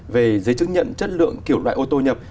về giấy chứng nhận chất lượng kiểu loại ô tô nhập